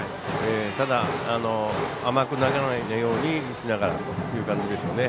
ただ、甘くならないようにしながらという感じでしょうね。